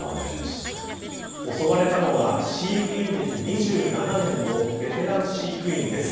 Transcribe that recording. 襲われたのは飼育員歴２７年のベテラン飼育員です。